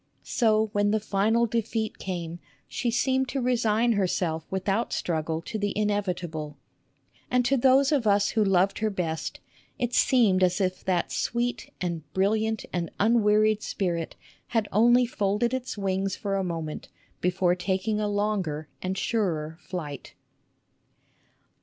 So when the final defeat came she seemed to resign herself without struggle to the inevitable, and to those of us who loved her best it seemed as if that sweet and brilliant and unwearied spirit had only folded its wings for a moment before taking a longer and surer flight.